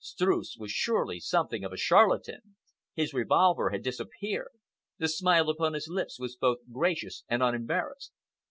Streuss was surely something of a charlatan! His revolver had disappeared. The smile upon his lips was both gracious and unembarrassed.